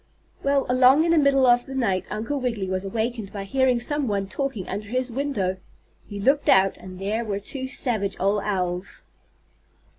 Well, along in the middle of the night Uncle Wiggily was awakened by hearing some one talking under his window. He looked out, and there were two savage old owls.